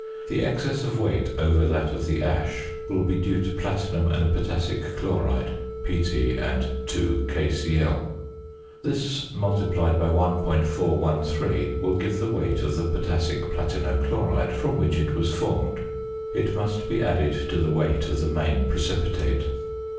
The excess of weight over that of the ash will be due to platinum and potassic chloride (Pt and 2KCl). This multiplied by 1.413 will give the weight of the potassic platino chloride from which it was formed. It must be added to the weight of the main precipitate.